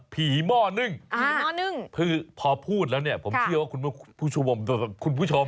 ผีม่อนึ่งพอพูดแล้วผมเชื่อว่าคุณผู้ชมคุณผู้ชม